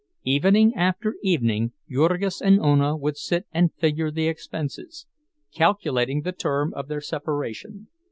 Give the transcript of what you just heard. Evening after evening Jurgis and Ona would sit and figure the expenses, calculating the term of their separation.